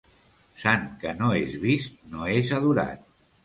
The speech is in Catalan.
Sant que no és vist, no és adorat.